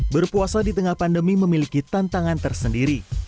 berpuasa di tengah pandemi memiliki tantangan tersendiri